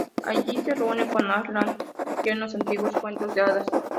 Allí se reúne con Aslan, y cree en los antiguos"cuentos de hadas".